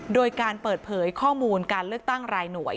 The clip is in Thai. โดยการเปิดเผยข้อมูลการเลือกตั้งรายหน่วย